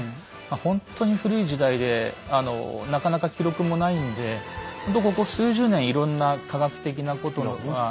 ほんとに古い時代でなかなか記録もないんでほんとここ数十年いろんな科学的なことが分かってきて。